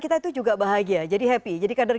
kita itu juga bahagia jadi happy jadi kader